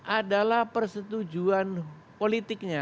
adalah persetujuan politiknya